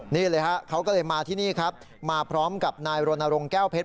นี่เลยฮะเขาก็เลยมาที่นี่ครับมาพร้อมกับนายรณรงค์แก้วเพชร